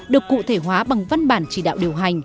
được cụ thể hóa bằng văn bản chỉ đạo điều hành